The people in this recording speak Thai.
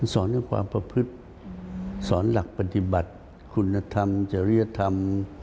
สอนเรื่องความประพฤติสอนหลักปฏิบัติคุณธรรมจริยธรรม